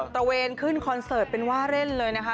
ตระเวนขึ้นคอนเสิร์ตเป็นว่าเล่นเลยนะคะ